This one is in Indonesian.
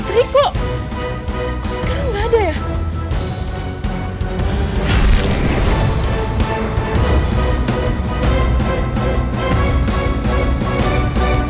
tadi gue nggak salah lihat